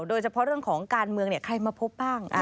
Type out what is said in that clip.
โดยเฉพาะเรื่องของการเมืองใครมาพบบ้าง